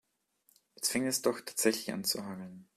Jetzt fängt es doch tatsächlich an zu hageln.